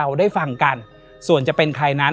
และยินดีต้อนรับทุกท่านเข้าสู่เดือนพฤษภาคมครับ